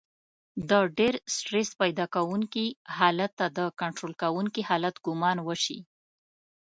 د ډېر سټرس پيدا کوونکي حالت ته د کنټرول کېدونکي حالت ګمان وشي.